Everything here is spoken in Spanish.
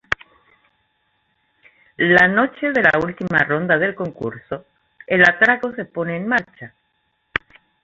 La noche de la última ronda del concurso, el atraco se pone en marcha.